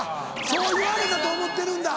そう言われたと思ってるんだ。